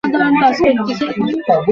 আমি নিজে বানিয়েছি।